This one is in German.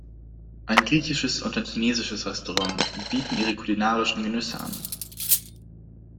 Ein griechisches und ein chinesisches Restaurant bieten ihre kulinarischen Genüsse an.